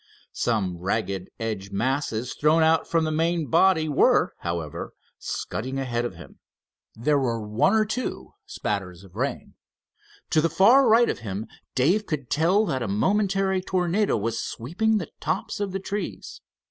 Some ragged edge masses thrown out from the main body were, however, scudding ahead of him. There were one or two spatters of rain. To the far right of him Dave could tell that a momentary tornado was sweeping the tops of the trees.